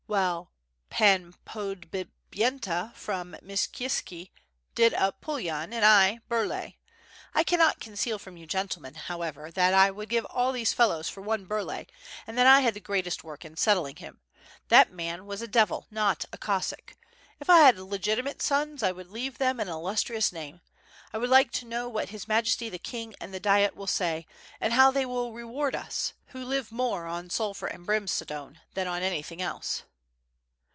Well, Pan Podbipyenta from Myshykishki did up Pulyan, and I, Bur lay. 1 cannot conceal from you, gentlemen, however, that 1 would give all those fellows for one Burlay, and that 1 had the greatest work in settling him. That man was a devil, not a Cossack. If I had legitimate sons I would leave them an illustrious name. I would like to know what his Majesty the King and the Diet will say, and how they will reward us, who live more on sulphur and brimstone than on anything else."